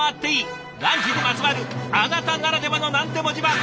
ランチにまつわるあなたならではの何でも自慢！